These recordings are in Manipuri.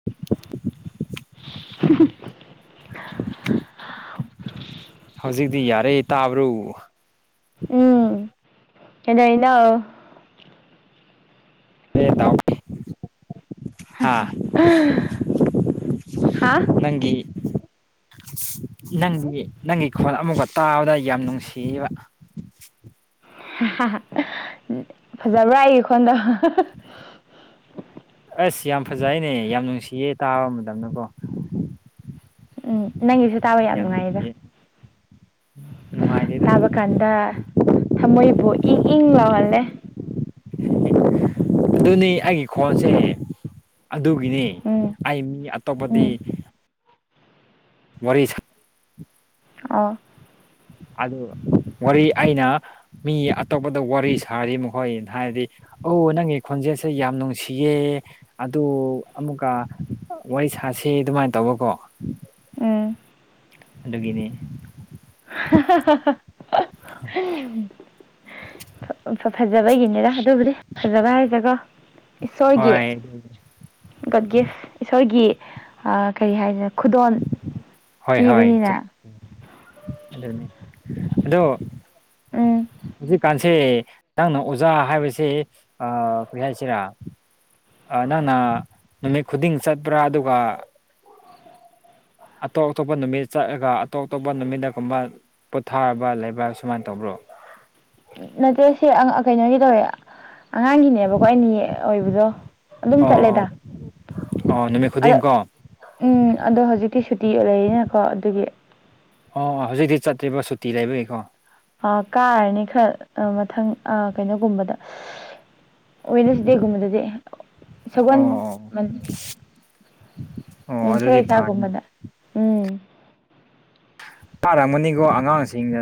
[unintelligible] [unintelligible] ꯍꯧꯖꯤꯛꯇꯤ ꯌꯥꯔꯦ ꯇꯥꯕ꯭ꯔꯣ ꯎꯝ ꯀꯩꯗꯩꯅꯣ [unintelligible] ꯍꯥꯥ ꯍꯥ ꯅꯪꯒꯤ ꯅꯪꯗꯤ ꯅꯪꯒꯤ ꯈꯣꯟ ꯑꯃꯨꯛꯈꯛ ꯇꯥꯕꯗ ꯌꯥꯝ ꯅꯨꯡꯁꯤꯕ ꯐꯖꯕ꯭ꯔꯥ ꯑꯩꯒꯤ ꯈꯣꯟꯗꯣ ꯑꯁ ꯌꯥꯝ ꯐꯖꯩꯅꯦ ꯌꯥꯝ ꯅꯨꯡꯁꯤꯌꯦ ꯇꯥꯕ ꯃꯇꯝꯗꯀꯣ ꯎꯝ ꯅꯪꯒꯤꯁꯨ ꯇꯥꯕ ꯌꯥꯝ ꯅꯨꯡꯉꯥꯏꯗ ꯅꯨꯡꯉꯥꯏꯇꯦꯗ ꯇꯥꯕ ꯀꯥꯟꯗ ꯊꯃꯣꯏꯕꯨ ꯏꯪ ꯏꯪ ꯂꯥꯎꯍꯜꯂꯦ ꯑꯗꯨꯅꯤ ꯑꯩꯒꯤ ꯈꯣꯟꯁꯦ ꯑꯗꯨꯒꯤꯅꯤ ꯎꯝ ꯑꯩ ꯃꯤ ꯑꯇꯣꯞꯄꯗꯤ ꯎꯝ ꯋꯥꯔꯤ ꯁꯥ ꯑꯣ ꯑꯗꯨ ꯋꯥꯔꯤ ꯑꯩꯅ ꯃꯤ ꯑꯇꯣꯞꯄꯗ ꯋꯥꯔꯤ ꯁꯥꯔꯗꯤ ꯃꯈꯣꯏꯅ ꯍꯥꯏꯗꯤ ꯑꯧ ꯅꯪꯒꯤ ꯈꯣꯟꯖꯦꯜꯁꯦ ꯌꯥꯝ ꯅꯨꯡꯁꯤꯌꯦ ꯑꯗꯨ ꯑꯃꯨꯛꯀ ꯋꯥꯔꯤ ꯁꯥꯁꯤ ꯑꯗꯨꯃꯥꯏꯅ ꯇꯧꯕꯀꯣ ꯎꯝ ꯑꯗꯨꯒꯤꯅꯦ ꯍꯥꯍꯥꯍꯥ ꯐꯖꯕꯒꯤꯅꯤꯗ ꯑꯗꯨꯕꯨꯗꯤ ꯐꯖꯕ ꯍꯥꯏꯁꯦꯀꯣ ꯏꯁꯣꯔꯒꯤ ꯍꯣꯏ ꯒꯣꯗ ꯒꯤꯐ ꯏꯁꯣꯔꯒꯤ ꯀꯔꯤ ꯍꯥꯏꯁꯤꯔꯥ ꯍꯣꯏ ꯍꯣꯏ ꯑꯗꯨꯅꯦ ꯑꯗꯣ ꯎꯝ ꯍꯧꯖꯤꯛ ꯀꯥꯟꯁꯦ ꯅꯪꯅ ꯑꯣꯖꯥ ꯍꯥꯏꯕꯁꯤ ꯀꯩ ꯍꯥꯏꯁꯤꯔꯥ ꯅꯪꯅ ꯅꯨꯃꯤꯠ ꯈꯨꯗꯤꯡ ꯆꯠꯄ꯭ꯔꯥ ꯑꯗꯨꯒ ꯑꯇꯣꯞ ꯑꯇꯣꯞꯄ ꯅꯨꯃꯤꯠ ꯆꯠꯂꯒ ꯑꯇꯣꯞ ꯑꯇꯣꯞꯄ ꯅꯨꯃꯤꯠꯇꯒꯨꯝꯕ ꯄꯣꯊꯥꯕ ꯂꯩꯕ꯭ꯔꯥ ꯁꯨꯃꯥꯏꯅ ꯇꯧꯕ꯭ꯔꯣ ꯅꯠꯇꯦ ꯁꯤ ꯀꯩꯅꯣꯒꯤ ꯇꯧꯔꯦ ꯑꯉꯥꯡꯒꯤꯅꯦꯕꯀꯣ ꯑꯩꯅꯥ ꯑꯣꯏꯕꯗꯣ ꯑꯗꯨꯝ ꯆꯠꯂꯦꯗ ꯑꯣ ꯑꯣ ꯅꯨꯃꯤꯠ ꯑꯗꯣ ꯈꯨꯗꯤꯡ ꯀꯣ ꯎꯝ ꯑꯗꯣ ꯍꯧꯖꯤꯛꯇꯤ ꯁꯨꯇꯤ ꯂꯩꯔꯤꯅꯀꯣ ꯑꯗꯨꯒꯤ ꯑꯣ ꯍꯧꯖꯤꯛꯇꯤ ꯆꯠꯇ꯭ꯔꯤꯕ ꯁꯨꯇꯤ ꯂꯩꯕꯒꯤꯀꯣ ꯑ ꯀꯥꯔꯅꯤ ꯈꯔ ꯃꯊꯪ ꯑ ꯀꯩꯅꯣꯒꯨꯝꯕꯗ ꯋꯦꯠꯅꯁꯗꯦ ꯒꯨꯝꯕꯗꯗꯤ ꯁꯒꯣꯜ ꯑꯣ ꯑꯣ ꯑꯣ ꯑꯗꯨꯗꯤ ꯐꯅ ꯀꯩꯁꯒꯨꯝꯕꯗ ꯎꯝ ꯆꯥꯔꯝꯒꯅꯤꯀꯣ ꯑꯉꯥꯡꯁꯤꯡꯗ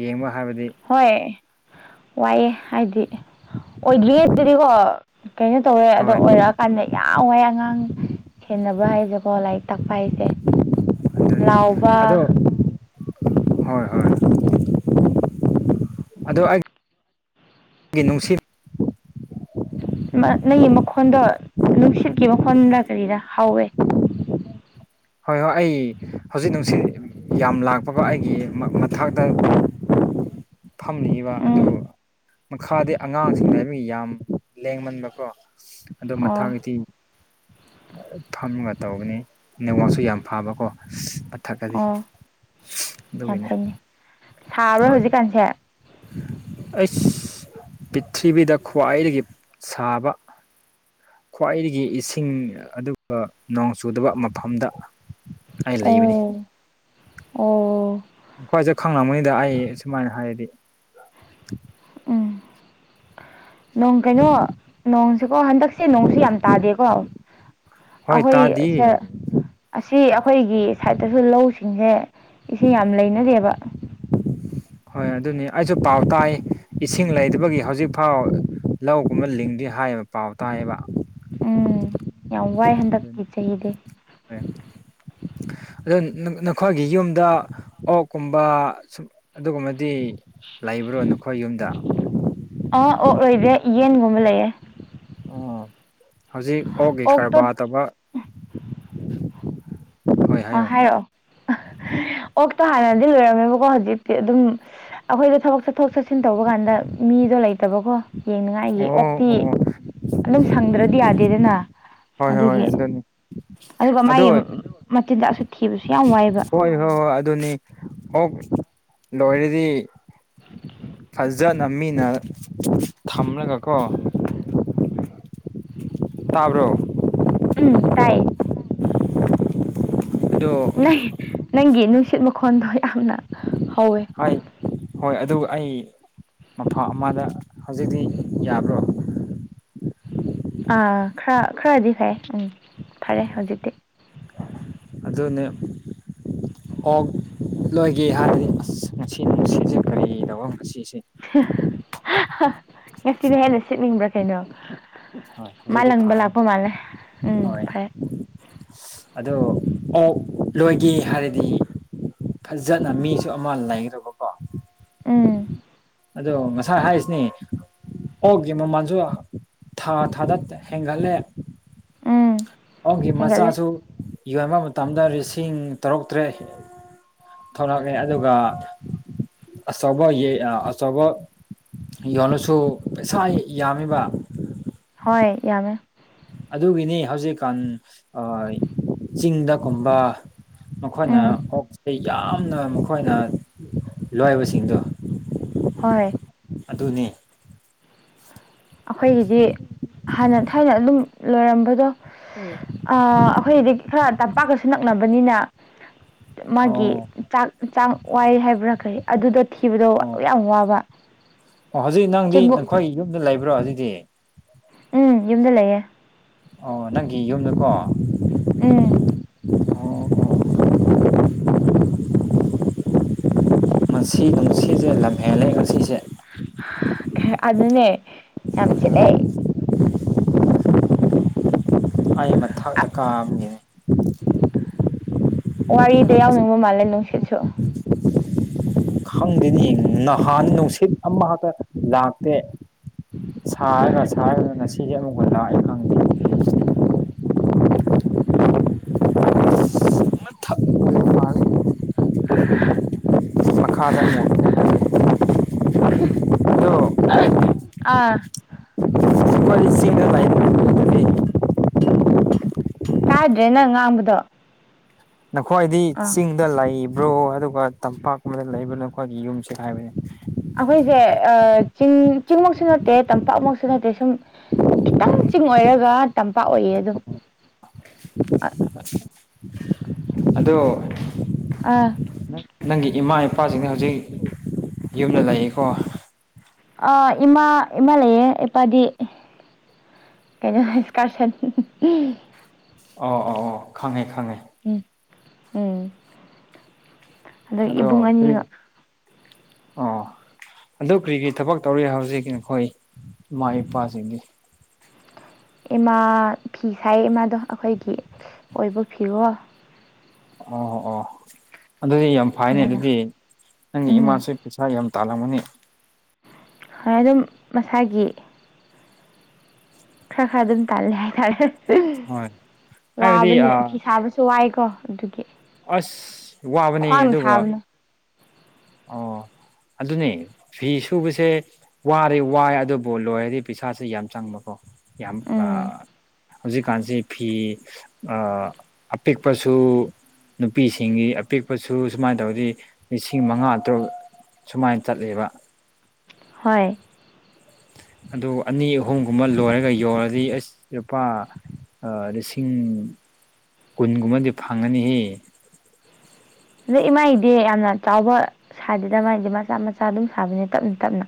ꯌꯦꯡꯕ ꯍꯥꯏꯕꯗꯤ ꯍꯣꯏ ꯋꯥꯏꯑꯦ ꯍꯥꯏꯗꯤ ꯑꯣꯏꯗ꯭ꯔꯤꯉꯩ ꯑꯗꯨꯗꯤꯀꯣ ꯀꯩꯅꯣ ꯇꯧꯋꯦ ꯑꯗꯣ ꯍꯣꯏ ꯑꯣꯏꯔꯛ ꯀꯟꯅ ꯌꯥꯝ ꯋꯥꯏ ꯑꯉꯥꯡ ꯁꯦꯟꯅꯕ ꯍꯥꯏꯁꯦꯀꯣ ꯂꯥꯏꯔꯤꯛ ꯇꯥꯛꯄ ꯍꯥꯏꯁꯦ ꯂꯥꯎꯕ ꯑꯗꯨꯅꯤ ꯑꯗꯣ ꯍꯣꯏ ꯍꯣꯏ ꯑꯗꯣ ꯑꯩ ꯒꯤ ꯅꯨꯡꯁꯤ ꯅꯪꯒꯤ ꯃꯈꯣꯟꯗꯣ ꯅꯨꯡꯁꯤꯠꯀꯤ ꯃꯈꯣꯟꯔꯗ ꯀꯔꯤꯔꯥ ꯍꯧꯋꯦ ꯍꯣꯏ ꯍꯣꯏ ꯑꯩ ꯍꯧꯖꯤꯛ ꯅꯨꯡꯁꯤꯠ ꯌꯥꯝ ꯂꯥꯛꯄꯒ ꯑꯩꯒꯤ ꯃꯊꯥꯛꯛꯇ ꯐꯝꯅꯤꯕ ꯑꯗꯨ ꯎꯝ ꯃꯈꯥꯗꯤ ꯑꯉꯥꯡꯁꯤꯡ ꯌꯥꯝ ꯂꯦꯡꯃꯟꯕꯀꯣ ꯑꯗꯨ ꯑꯣ ꯃꯊꯛꯇꯤ ꯐꯝꯒ ꯇꯧꯕꯅꯤ ꯅꯦꯠꯋꯥꯛꯁꯨ ꯌꯥꯝ ꯐꯕꯀꯣ ꯊꯛꯀꯗꯤ ꯑꯣ ꯌꯥꯝ ꯑꯗꯨꯒꯤꯅꯦ ꯐꯩꯅꯦ ꯁꯥꯕ꯭ꯔꯥ ꯍꯣꯏ ꯍꯧꯖꯤꯛꯀꯥꯟꯁꯦ ꯑꯩꯁ ꯄꯔꯤꯊꯤꯕꯤꯗ ꯈ꯭ꯋꯥꯏꯗꯒꯤ ꯁꯥꯕ ꯈ꯭ꯋꯥꯏꯗꯒꯤ ꯏꯁꯤꯡ ꯑꯗꯨꯒ ꯅꯣꯡ ꯆꯨꯗꯕ ꯃꯐꯝꯗ ꯑꯩ ꯂꯩꯕꯅꯤ ꯑꯣ ꯑꯣ ꯑꯩꯈꯣꯏꯖꯦ ꯈꯪꯉꯝꯅꯤꯗ ꯑꯩ ꯁꯨꯃꯥꯏꯅ ꯍꯥꯏꯔꯗꯤ ꯎꯝ ꯅꯣꯡ ꯀꯩꯅꯣ ꯅꯣꯡꯁꯦꯀꯣ ꯍꯟꯗꯛꯁꯦ ꯅꯣꯡꯁꯦ ꯌꯥꯝ ꯇꯥꯗꯦꯀꯣ ꯍꯣꯏ ꯑꯩꯈꯣꯏ ꯇꯥꯗꯤ ꯑꯥꯁꯦ ꯑꯁꯤ ꯑꯩꯈꯣꯏꯒꯤ ꯁꯥꯏꯠꯇꯁꯨ ꯂꯧꯁꯤꯡꯁꯦ ꯏꯁꯤꯡ ꯌꯥꯝ ꯂꯩꯅꯗꯦꯕ ꯍꯣꯏ ꯑꯗꯨꯅꯤ ꯑꯩꯁꯨ ꯄꯥꯎ ꯇꯥꯏ ꯏꯁꯤꯡ ꯂꯩꯇꯕꯒꯤ ꯍꯧꯖꯤꯛꯐꯥꯎ ꯂꯧꯒꯨꯝꯕ ꯂꯤꯡꯗꯦ ꯍꯥꯏꯌꯦꯕ ꯄꯥꯎ ꯇꯥꯏꯑꯦꯕ ꯎꯝ ꯌꯥꯝ ꯋꯥꯏ ꯍꯟꯗꯛꯀꯤ ꯆꯍꯤꯗꯤ ꯍꯣꯏ ꯑꯗꯣ ꯅꯈꯣꯏꯒꯤ ꯌꯨꯝꯗ ꯑꯣꯛꯀꯨꯝꯕ ꯁꯨꯝ ꯑꯗꯨꯒꯨꯝꯕꯗꯤ ꯂꯩꯕ꯭ꯔꯣ ꯅꯈꯣꯏ ꯌꯨꯝꯗ ꯑꯥ ꯑꯣꯛ ꯂꯣꯏꯗꯦ ꯌꯦꯟꯒꯨꯝꯕ ꯂꯩꯌꯦ ꯑꯣ ꯍꯧꯖꯤꯛ ꯑꯣꯛꯀꯤ ꯑꯣꯛꯇꯣ ꯀꯔꯕꯥꯔ ꯇꯧꯕ ꯍꯣꯏ ꯑꯥ ꯍꯥꯏꯌꯣ ꯍꯥꯏꯔꯛꯑꯣ ꯑꯣꯛꯇꯣ ꯍꯥꯟꯅꯗꯤ ꯂꯣꯏꯔꯝꯃꯦꯕꯀꯣ ꯍꯧꯖꯤꯛꯇꯤ ꯑꯗꯨꯝ ꯑꯩꯈꯣꯏꯗꯣ ꯊꯕꯛ ꯆꯠꯊꯣꯛ ꯆꯠꯁꯤꯟ ꯇꯧꯕ ꯀꯥꯟꯗ ꯃꯤꯗꯣ ꯂꯩꯇꯕꯀꯣ ꯌꯦꯡꯅꯤꯉꯥꯏꯒꯤ ꯑꯣ ꯑꯣꯛꯇꯤ ꯑꯣ ꯑꯗꯨꯝ ꯁꯪꯗ꯭ꯔꯗꯤ ꯌꯥꯗꯦꯗꯅ ꯍꯣꯏ ꯍꯣꯏ ꯍꯣꯏ ꯑꯗꯨꯒꯤ ꯑꯗꯨꯅꯤ ꯑꯗꯨꯒ ꯑꯗꯨ ꯃꯥꯒꯤ ꯍꯣꯏ ꯃꯆꯤꯟꯖꯥꯛꯁꯨ ꯊꯤꯕꯁꯨ ꯌꯥꯝ ꯋꯥꯏꯕ ꯍꯣꯏ ꯍꯣꯏ ꯑꯗꯨꯅꯤ ꯑꯣꯛ ꯂꯣꯏꯔꯗꯤ ꯐꯖꯅ ꯃꯤꯅ ꯊꯝꯂꯒꯀꯣ ꯇꯥꯕ꯭ꯔꯣ ꯎꯝ ꯇꯥꯏꯌꯦ ꯑꯗꯣ [unintelligible] ꯅꯪꯒꯤ ꯅꯨꯡꯁꯤꯠ ꯃꯈꯣꯟꯗꯣ ꯌꯥꯝꯅ ꯍꯧ ꯍꯣꯏ ꯍꯣꯏ ꯑꯗꯨ ꯑꯩ ꯃꯐꯝ ꯑꯃꯗ ꯍꯧꯖꯤꯛꯇꯤ ꯌꯥꯕ꯭ꯔꯣ ꯑꯥ ꯈꯔ ꯈꯔꯗꯤ ꯐꯩ ꯎꯝ ꯐꯥꯔꯦ ꯍꯧꯖꯤꯛꯇꯤ ꯑꯗꯨꯅꯦ ꯑꯣꯛ ꯂꯣꯏꯒꯦ ꯍꯥꯏꯔꯗꯤ ꯑꯁ ꯉꯁꯤꯅꯨꯡꯁꯤꯠꯁꯦ ꯀꯔꯤꯅꯣ ꯉꯁꯤꯁꯦ [unintelligible] ꯉꯁꯤꯅ ꯍꯦꯟꯅ ꯁꯤꯠꯅꯤꯡꯕ꯭ꯔꯥ ꯀꯩꯅꯣ ꯍꯣꯏ ꯍꯧꯖꯤꯛꯇꯤ ꯃꯥꯂꯪꯕ ꯐꯔꯦ ꯂꯥꯛꯄ ꯃꯥꯂꯦ ꯎꯝ ꯍꯣꯏ ꯐꯩ ꯑꯗꯣ ꯑꯣꯛ ꯂꯣꯏꯒꯦ ꯍꯥꯏꯔꯗꯤ ꯐꯖꯅ ꯃꯤꯁꯨ ꯑꯃ ꯂꯩꯒꯗꯕ ꯎꯝ ꯑꯗꯣ ꯉꯁꯥꯏ ꯍꯥꯏꯁꯤꯅꯤ ꯑꯣꯛꯀꯤ ꯃꯃꯜꯁꯨ ꯊꯥ ꯊꯥꯗꯠ ꯍꯦꯟꯒꯠꯂꯦ ꯎꯝ ꯑꯣꯛꯀꯤ ꯍꯦꯟꯒꯠꯂꯦ ꯃꯆꯥꯁꯨ ꯌꯣꯟꯕ ꯃꯇꯝꯗ ꯂꯤꯁꯤꯡ ꯇꯔꯨ ꯇ꯭ꯔꯦꯠ ꯊꯣꯛꯂꯛꯑꯦ ꯑꯗꯨꯒ ꯑꯆꯧꯕꯌ‌ꯦ ꯑꯆꯧꯕ ꯌꯣꯜꯂꯁꯨ ꯄꯩꯁꯥ ꯌꯥꯝꯃ‌ꯦꯕ ꯍꯣꯏ ꯌꯥꯝꯃꯦ ꯑꯗꯨꯒꯤꯅꯤ ꯍꯧꯖꯤꯛꯀꯥꯟ ꯑꯥ ꯆꯤꯡꯗ ꯀꯨꯝꯕ ꯃꯈꯣꯏꯅ ꯎꯝ ꯑꯣꯛ ꯌꯥꯝꯅ ꯃꯈꯣꯏꯅ ꯂꯣꯏꯕꯁꯤꯡꯗꯣ ꯍꯣꯏ ꯑꯗꯨꯅꯤ ꯑꯩꯈꯣꯏꯒꯤꯗꯤ ꯍꯥꯟꯅ ꯊꯥꯏꯅ ꯑꯗꯨꯝ ꯂꯣꯏꯔꯝꯕꯗꯣ ꯑꯥ ꯑꯩꯈꯣꯏꯒꯤꯗꯤ ꯈꯔ ꯇꯝꯄꯥꯛꯀꯁꯨ ꯅꯛꯅꯕꯅꯤꯅ ꯃꯥꯒꯤ ꯑꯣ ꯆꯥꯛ ꯆꯥꯡ ꯋꯥꯏ ꯍꯥꯏꯕ꯭ꯔꯥ ꯀꯩ ꯑꯗꯨꯗꯣ ꯊꯤꯕꯗꯣ ꯑꯣ ꯌꯥꯝ ꯋꯥꯕ ꯑꯣ ꯍꯧꯖꯤꯛ ꯅꯪꯗꯤ ꯆꯦꯡꯒꯨꯝ ꯅꯈꯣꯏ ꯌꯨꯝꯗ ꯂꯩꯕ꯭ꯔꯣ ꯍꯧꯖꯤꯛꯗꯤ ꯎꯝ ꯌꯨꯝꯗ ꯂꯩꯌꯦ ꯑꯣ ꯅꯪꯒꯤ ꯌꯨꯝꯗꯀꯣ ꯎꯝ ꯑꯣ ꯉꯁꯤ ꯅꯨꯡꯁꯤꯁꯦ ꯂꯝꯍꯦꯜꯂꯦ ꯉꯁꯤꯁꯦ ꯑꯗꯨꯅꯦ ꯌꯥꯝ ꯁꯤꯠꯂꯦ ꯑꯩ ꯃꯊꯛꯇ ꯀꯥꯕꯒꯤꯅꯤ ꯋꯥꯔꯤꯗ ꯌꯥꯎꯅꯤꯡꯕ ꯃꯥꯜꯂꯦ ꯅꯨꯡꯁꯤꯠꯁꯨ ꯈꯪꯗꯦꯅꯦꯍꯦ ꯅꯍꯥꯟ ꯅꯨꯡꯁꯤꯠ ꯑꯃꯈꯛꯇ ꯂꯥꯛꯇꯦ ꯁꯥꯔꯒ ꯁꯥꯔꯒ ꯉꯁꯤꯗꯤ ꯑꯃꯨꯛꯀ ꯂꯥꯛꯑꯦ ꯈꯪꯗꯦ ꯃꯊꯛ [unintelligible] ꯑꯗꯣ ꯑꯥ ꯑꯈꯣꯏꯗꯤ ꯆꯤꯡꯗ [unintelligible] ꯇꯥꯗ꯭ꯔꯦ ꯅꯪ ꯉꯥꯡꯕꯗꯣ ꯅꯈꯣꯏꯗꯤ ꯑꯥ ꯆꯤꯡꯗ ꯂꯩꯕ꯭ꯔꯣ ꯑꯗꯨꯒ ꯇꯝꯄꯥꯛ ꯀꯨꯝꯕꯗ ꯂꯩꯕ꯭ꯔꯣ ꯅꯈꯣꯏꯒꯤ ꯌꯨꯝꯁꯤ ꯀꯥꯏꯋꯥꯏ ꯑꯈꯣꯏꯁꯦ ꯑꯥ ꯆꯤꯡ ꯆꯤꯡꯃꯛꯁꯨ ꯅꯠꯇꯦ ꯇꯝꯄꯥꯛꯃꯛꯁꯨ ꯅꯠꯇꯦ ꯁꯨꯝ ꯈꯤꯇꯪ ꯆꯤꯡ ꯑꯣꯏꯔꯒ ꯇꯝꯄꯥꯛ ꯑꯣꯏꯌꯦ ꯑꯗꯨꯝ ꯑꯗꯣ ꯑꯥ ꯅꯪꯒꯤ ꯏꯃꯥ ꯏꯄꯥꯁꯤꯡꯅ ꯍꯧꯖꯤꯛ ꯌꯨꯝꯗ ꯂꯩꯌꯦꯀꯣ ꯑꯥ ꯏꯃꯥ ꯏꯃꯥ ꯂꯩꯌꯦ ꯏꯄꯥꯗꯤ ꯀꯩꯅꯣ ꯏꯁꯀꯥꯔꯁꯟ ꯑꯧꯣꯑꯣ ꯑꯣ ꯈꯪꯉꯦ ꯈꯪꯉꯦ ꯎꯝ ꯎꯝ ꯑꯗꯒꯤ ꯑꯗꯣ ꯏꯕꯨꯡ ꯀꯔꯤ ꯑꯅꯤꯒ ꯑꯣ ꯑꯗꯨ ꯀꯔꯤ ꯀꯔꯤ ꯊꯕꯛ ꯇꯧꯔꯤ ꯍꯧꯖꯤꯛ ꯅꯈꯣꯏ ꯏꯃꯥ ꯏꯄꯥꯁꯤꯡꯗꯤ ꯏꯃꯥ ꯐꯤ ꯁꯥꯏ ꯏꯃꯥꯗꯣ ꯑꯈꯣꯏꯒꯤ ꯑꯣꯏꯕ ꯐꯤꯔꯣꯜ ꯑꯣ ꯑꯣ ꯑꯗꯨꯗꯤ ꯌꯥꯝ ꯐꯥꯏꯅꯦ ꯑꯗꯨꯃꯥꯏꯅ ꯑꯗꯨꯗꯤ ꯅꯪꯒꯤ ꯎꯝ ꯏꯃꯥꯥꯁꯨ ꯄꯩꯁꯥ ꯌꯥꯝ ꯇꯥꯜꯂꯝꯒꯅꯤ ꯈꯔ ꯑꯗꯨꯝ ꯃꯁꯥꯒꯤ ꯈꯔ ꯈꯔ ꯑꯗꯨꯝ ꯇꯥꯜꯂꯦ ꯍꯥꯏꯇꯥꯔꯦ ꯍꯣꯏ ꯍꯥꯏꯕꯗꯤ ꯋꯥꯕꯅꯦ ꯐꯤ ꯁꯥꯕꯁꯨ ꯋꯥꯏꯀꯣ ꯑꯗꯨꯒꯤ ꯑꯁ ꯋꯥꯕꯅꯦ ꯈ꯭ꯋꯥꯡꯅ ꯑꯗꯨꯒ ꯁꯥꯕꯅ ꯑꯣ ꯑꯗꯨꯅꯦ ꯐꯤ ꯁꯨꯕꯁꯦ ꯋꯥꯔꯦ ꯋꯥꯏ ꯑꯗꯨꯕꯨ ꯂꯣꯏꯔꯗꯤ ꯄꯩꯁꯥꯥꯁꯦ ꯌꯥꯝ ꯆꯪꯕꯀꯣ ꯌꯥꯝ ꯑ ꯎꯝ ꯍꯧꯖꯤꯛꯀꯥꯟꯁꯤ ꯐꯤ ꯑꯥ ꯑꯄꯤꯛꯄꯁꯨ ꯅꯨꯄꯤꯁꯤꯡꯒꯤ ꯑꯄꯤꯛꯄꯁꯨ ꯁꯨꯃꯥꯏꯅ ꯇꯧꯔꯗꯤ ꯂꯤꯁꯤꯡ ꯃꯉꯥ ꯑꯗꯨ ꯁꯨꯃꯥꯏꯅ ꯆꯠꯂꯦꯕ ꯍꯣꯏ ꯑꯗꯨ ꯑꯅꯤ ꯑꯍꯨꯝꯒꯨꯝꯕ ꯂꯣꯏꯔꯒ ꯌꯣꯜꯔꯗꯤ ꯑꯁ ꯂꯨꯄꯥ ꯑꯥ ꯔꯤꯁꯤꯡ ꯀꯨꯟꯒꯨꯝꯕꯗꯤ ꯐꯪꯉꯅꯤꯍꯦ ꯑꯗꯩ ꯏꯃꯥꯥꯏꯗꯤ ꯌꯥꯝꯅ ꯆꯥꯎꯕ ꯁꯗꯦꯗ ꯃꯥꯏꯗꯤ ꯃꯆꯥ ꯃꯆꯥ ꯑꯗꯨꯝ ꯁꯥꯕꯅꯦ ꯇꯞꯅ ꯇꯞꯅ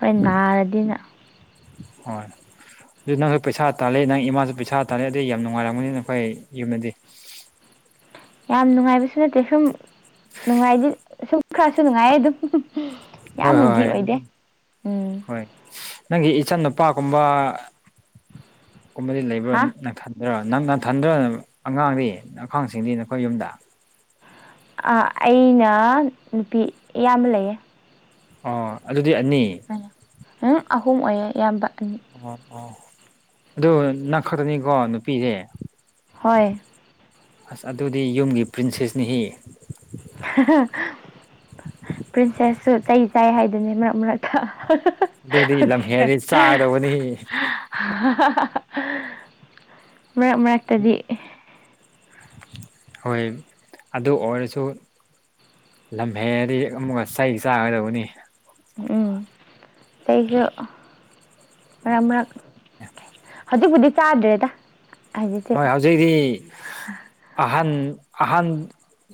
ꯍꯣꯏ ꯅꯥꯔꯗꯤꯅ ꯍꯣꯏ ꯑꯗꯨ ꯅꯪꯖꯨ ꯄꯩꯁꯥ ꯇꯥꯜꯂꯤ ꯅꯪ ꯏꯃꯥꯁꯨ ꯄꯩꯁꯥ ꯇꯥꯜꯂꯦ ꯑꯗꯨꯗꯤ ꯌꯥꯝ ꯅꯨꯡꯉꯥꯏꯔꯝꯒꯅꯤ ꯅꯈꯣꯏ ꯌꯨꯝꯗꯗꯤ ꯌꯥꯝ ꯅꯨꯡꯉꯥꯏꯕꯁꯨ ꯅꯠꯇꯦ ꯁꯨꯝ ꯅꯨꯡꯉꯥꯏꯗꯤ ꯁꯨꯝ ꯈꯔꯁꯨ ꯅꯨꯡꯉꯥꯏ ꯑꯗꯨꯝ ꯍꯣꯏ ꯍꯣꯏ ꯌꯥꯝꯅꯗꯤ ꯍꯣꯏ ꯑꯣꯏꯗꯦ ꯑꯗꯨ ꯎꯝ ꯍꯣꯏ ꯅꯪꯒꯤ ꯏꯆꯟ ꯅꯨꯄꯥꯒꯨꯝꯕ ꯀꯨꯝꯕꯗꯤ ꯂꯩꯕ꯭ꯔꯥ ꯍꯥ ꯅꯊꯟ ꯑ ꯅꯪ ꯅꯪꯊꯟꯗ꯭ꯔ ꯑꯉꯥꯡꯗꯤ ꯅꯈꯥꯡꯁꯤꯡꯗꯤ ꯅꯈꯣꯏ ꯌꯨꯝꯗ ꯑꯩꯅ ꯅꯨꯄꯤ ꯏꯌꯥꯝꯕ ꯂꯩꯌꯦ ꯑꯥ ꯑꯗꯨꯗꯤ ꯑꯅꯤ ꯎꯝ ꯑꯍꯨꯝ ꯑꯣꯏꯌꯦ ꯏꯌꯥꯝꯕ ꯑꯅꯤ ꯑꯣ ꯑꯣ ꯑꯗꯨ ꯅꯪ ꯈꯛꯇꯅꯤꯀꯣ ꯅꯨꯄꯤꯗꯤ ꯍꯣꯏ ꯑꯁ ꯑꯗꯨꯗꯤ ꯌꯨꯝꯒꯤ ꯄ꯭ꯔꯤꯟꯁꯦꯁꯅꯤꯍꯦ ꯍꯥꯍꯥ ꯄ꯭ꯔꯤꯟꯁꯦꯁꯁꯨ ꯆꯩ ꯆꯥꯏ ꯍꯥꯏꯗꯨꯅꯤ ꯃꯔꯛ ꯃꯔꯛꯇ ꯍꯥꯍꯥꯍꯥ ꯑꯗꯨꯗꯤ ꯂꯝ ꯍꯦꯜꯂꯗꯤ ꯆꯒꯗꯕꯅꯤ ꯍꯥꯍꯥꯍꯥꯍꯥ ꯃꯔꯛ ꯃꯔꯛꯇꯗꯤ ꯍꯣꯏ ꯑꯗꯨ ꯑꯣꯏꯔꯁꯨ ꯂꯝ ꯍꯦꯟꯔꯗꯤ ꯑꯃꯨꯛꯀ ꯆꯩ ꯆꯥꯒꯗꯕꯅꯤ ꯎꯝ ꯑꯩꯖꯨ ꯃꯔꯛ ꯃꯔꯛ ꯍꯧꯖꯤꯛꯄꯨꯗꯤ ꯆꯥꯗ꯭ꯔꯦꯗ ꯍꯧꯖꯤꯛꯇꯤ ꯍꯣꯏ ꯍꯧꯖꯤꯛꯇꯛꯇꯤ ꯑꯍꯟ ꯑꯍꯟ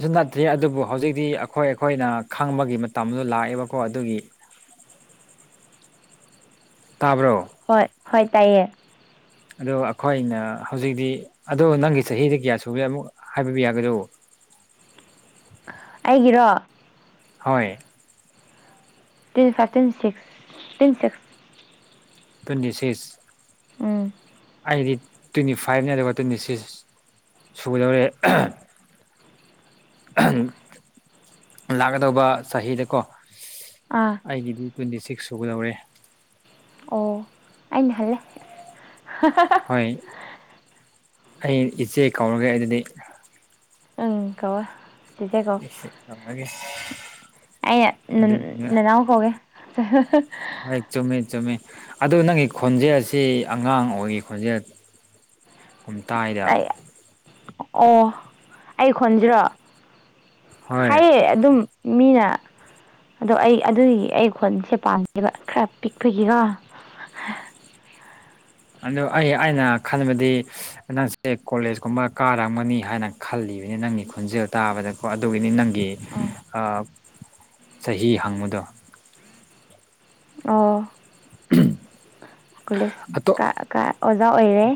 ꯁꯨ ꯅꯠꯇꯦ ꯑꯗꯨꯕꯨ ꯍꯧꯖꯤꯛꯇꯤ ꯑꯈꯣꯏ ꯑꯈꯣꯏꯅ ꯈꯪꯕꯒꯤ ꯃꯇꯝꯗꯣ ꯂꯥꯛꯑꯦꯕꯀꯣ ꯑꯗꯨꯒꯤ ꯇꯥꯕ꯭ꯔꯣ ꯍꯣꯏ ꯍꯣꯏ ꯇꯥꯏꯌꯦ ꯑꯗꯣ ꯑꯈꯣꯏꯅ ꯍꯧꯖꯤꯛꯇꯤ ꯑꯗꯣ ꯅꯪꯒꯤ ꯆꯍꯤꯗꯤ ꯀꯌꯥ ꯁꯨꯒꯦ ꯑꯃꯨꯛ ꯍꯥꯏꯕꯤꯕ ꯌꯥꯒꯗꯣ ꯑꯩꯒꯤꯔꯣ ꯍꯣꯏ ten ꯐꯥꯇꯤꯟ ꯇꯣꯏꯟ six ten six twenty ꯁꯤꯁ ꯎꯝ ꯑꯩꯗꯤ ꯇ꯭ꯋꯦꯟꯇꯤ ꯐꯥꯏꯚꯅꯦ ꯑꯗꯨꯒ ꯇ꯭ꯋꯦꯟꯇꯤ ꯁꯤꯛꯁ ꯁꯨꯒꯗꯧꯔꯦ ꯑꯍꯥ ꯑꯍꯥꯝ ꯂꯥꯛꯀꯗꯧꯕ ꯆꯍꯤꯗꯀꯣ ꯑꯥ ꯑꯩꯒꯤꯗꯤ ꯇ꯭ꯋꯦꯟꯇꯤ ꯁꯤꯛꯁ ꯁꯨꯒꯗꯧꯔꯦ ꯑꯣ ꯑꯩꯅ ꯍꯜꯂꯦ ꯍꯥꯍꯥꯍꯥ ꯍꯣꯏ ꯑꯩ ꯏꯆꯦ ꯀꯧꯔꯒꯦ ꯑꯗꯨꯗꯤ ꯑꯥꯡ ꯀꯧꯋꯣ ꯆꯤꯆꯦ ꯀꯧ ꯇꯧꯔꯒꯦ ꯑꯩꯅ ꯑꯗꯨ ꯅꯅꯥꯎ ꯀꯧꯒꯦ ꯍꯥꯍꯥꯍꯥ ꯍꯣꯏ ꯆꯨꯝꯃꯤ ꯆꯨꯝꯃꯤ ꯑꯗꯨ ꯅꯪꯒꯤ ꯈꯣꯟꯖꯦꯜ ꯑꯁꯤ ꯑꯉꯥꯡ ꯑꯣꯏꯔꯤ ꯈꯣꯟꯖꯦꯜ ꯀꯨꯝ ꯇꯥꯏꯗ ꯑꯩ ꯑꯣ ꯑꯩ ꯈꯣꯟꯁꯤꯔꯣ ꯍꯣꯏ ꯍꯥꯏꯌꯦ ꯑꯗꯨꯝ ꯃꯤꯅ ꯑꯗꯣ ꯑꯩ ꯑꯗꯨꯒꯤ ꯑꯩ ꯈꯣꯟꯁꯦ ꯄꯥꯝꯗꯦꯕ ꯈꯔ ꯄꯤꯛꯄꯒꯤꯔ ꯑꯗꯣ ꯑꯩ ꯑꯩꯅ ꯈꯟꯕꯗꯤ ꯅꯪꯁꯦ ꯀꯣꯂꯦꯖꯀꯨꯝꯕ ꯀꯥꯔꯝꯒꯅꯤ ꯍꯥꯏꯅ ꯈꯜꯂꯤꯕꯅꯤ ꯅꯪꯒꯤ ꯈꯣꯟꯖꯦꯜ ꯇꯥꯕꯗꯀꯣ ꯑꯗꯨꯒꯤꯅꯤ ꯅꯪ ꯒꯤ ꯎꯝ ꯑꯥ ꯆꯍꯤ ꯍꯪꯕꯗꯣ ꯑꯣ ꯀꯣꯂꯦꯖ ꯑꯇꯣꯞ ꯀꯥ ꯀꯥ ꯑꯣꯖꯥ ꯑꯣꯏꯔꯦ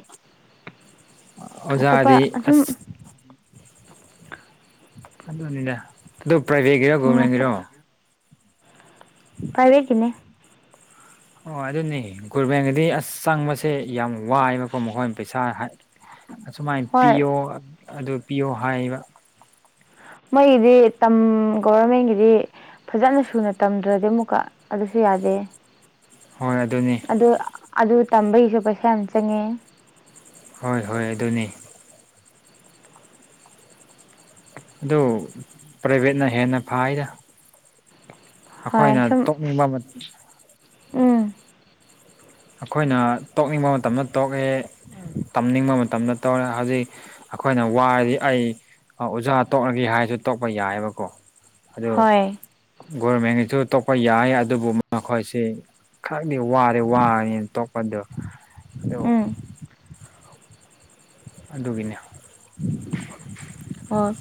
ꯑꯇꯣꯞꯄ ꯑꯣꯖꯥꯗꯤ ꯑꯁꯨꯝ ꯑꯁ ꯑꯗꯨꯅꯤꯗ ꯑꯗꯨ ꯄ꯭ꯔꯥꯏꯕꯦꯠꯀꯤꯔ ꯒꯣꯔꯃꯦꯟꯒꯤꯔꯣ ꯄ꯭ꯔꯥꯏꯚꯦꯠꯀꯤꯅꯦ ꯑꯣ ꯑꯗꯨꯅꯤ ꯒꯣꯔꯃꯦꯟꯒꯗꯤ ꯑꯁ ꯆꯪꯕꯁꯦ ꯌꯥꯝ ꯋꯥꯏꯑꯕꯀꯣ ꯃꯈꯣꯏꯅ ꯄꯩꯁꯥ ꯍꯥꯏ ꯑꯁꯨꯃꯥꯏꯅ ꯍꯣꯏ ꯄꯤꯌꯣ ꯑꯗꯨ ꯄꯤꯌꯣ ꯍꯥꯏꯕ ꯃꯣꯏꯒꯤꯗꯤ ꯇꯝ ꯒꯣꯚꯔꯃꯦꯟꯒꯤꯗꯤ ꯐꯖꯟꯅ ꯁꯨꯅ ꯇꯝꯗ꯭ꯔꯗꯤ ꯑꯃꯨꯛꯀ ꯑꯗꯨꯁꯨ ꯌꯥꯗꯦꯌꯦ ꯍꯣꯏ ꯑꯗꯨꯅꯤ ꯑꯗꯨ ꯑꯗꯨ ꯇꯝꯕꯒꯤꯁꯨ ꯄꯩꯁꯥ ꯌꯥꯝ ꯆꯪꯉꯦ ꯍꯣꯏ ꯍꯣꯏ ꯑꯗꯨꯅꯦ ꯑꯗꯨ ꯄ꯭ꯔꯥꯏꯚꯦꯠꯅ ꯍꯦꯟꯅ ꯐꯩꯗ ꯍꯣꯏ ꯁꯨꯝ ꯇꯣꯛꯅꯤꯡꯕ ꯎꯝ ꯑꯩꯈꯣꯏꯅ ꯇꯣꯛꯅꯤꯡꯕ ꯃꯇꯝꯗ ꯇꯣꯛꯑꯦ ꯇꯝꯅꯤꯡꯕ ꯃꯇꯝꯗ ꯇꯧꯔꯦ ꯍꯧꯖꯤꯛ ꯑꯩꯈꯣꯏꯅ ꯋꯥꯔꯗꯤ ꯑꯩ ꯑꯣꯖꯥ ꯇꯣꯛꯂꯒꯦ ꯍꯥꯏꯔꯁꯨ ꯇꯣꯛꯄ ꯌꯥꯏꯌꯦꯕꯀꯣ ꯑꯗꯣ ꯍꯣꯏ ꯒꯣꯔꯃꯦꯟꯒꯤꯁꯨ ꯇꯣꯛꯄ ꯌꯥꯏ ꯑꯗꯨꯕꯨ ꯃꯈꯣꯏꯁꯤ ꯈꯔꯗꯤ ꯋꯥꯔꯦ ꯋꯥꯔꯦ ꯇꯣꯛꯄꯗꯣ ꯑꯗꯣ ꯎꯝ ꯑꯗꯨꯒꯤꯅꯦ ꯑꯣ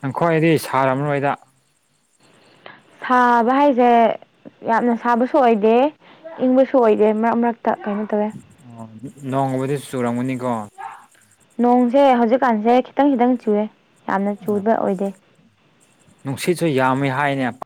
ꯅꯪꯈꯣꯏꯗꯤ ꯁꯥꯔꯝꯃꯔꯣꯏꯗ ꯁꯥꯕ ꯍꯥꯏꯁꯦ ꯌꯥꯝꯅ ꯁꯥꯕꯁꯨ ꯑꯣꯏꯗꯦ ꯏꯪꯕꯁꯨ ꯑꯣꯏꯗꯦ ꯃꯔꯛ ꯃꯔꯛꯇ ꯀꯩꯅꯣ ꯇꯧꯋꯤ ꯑꯣ ꯅꯣꯡꯕꯨꯗꯤ ꯆꯨꯔꯝꯒꯅꯤꯀꯣ ꯅꯣꯡꯖꯦ ꯍꯧꯖꯤꯛꯀꯥꯟꯁꯦ ꯈꯤꯇꯪ ꯈꯤꯇꯪ ꯆꯨꯋꯦ ꯌꯥꯝꯅ ꯆꯨꯕ ꯑꯣꯏꯗꯦ ꯅꯨꯡꯁꯤꯠꯁꯨ ꯌꯥꯝꯃꯦ ꯍꯥꯏꯅꯦ